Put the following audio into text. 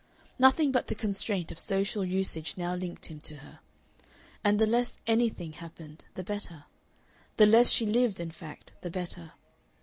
Nothing but the constraint of social usage now linked him to her. And the less "anything" happened the better. The less she lived, in fact, the better.